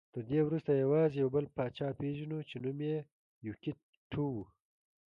تر دې وروسته یوازې یو بل پاچا پېژنو چې نوم یې یوکیت ټو و